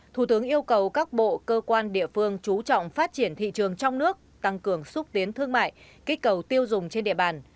thủ tướng yêu cầu các bộ cơ quan địa phương chú trọng phát triển thị trường trong nước tăng cường xúc tiến thương mại kích cầu tiêu dùng trên địa bàn